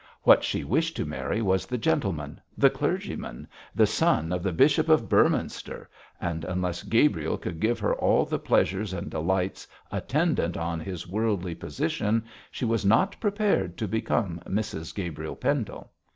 What she wished to marry was the gentleman, the clergyman, the son of the Bishop of Beorminster, and unless Gabriel could give her all the pleasures and delights attendant on his worldly position, she was not prepared to become Mrs Gabriel Pendle.